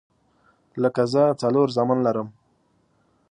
لکه زه څلور زامن لرم